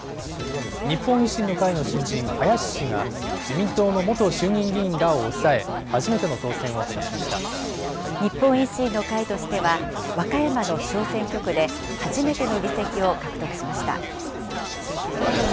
日本維新の会の新人、林氏が自民党の元衆議院議員らを抑え、初めての当選を果たしまし日本維新の会としては、和歌山の小選挙区で初めての議席を獲得しました。